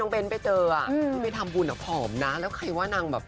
พูดมา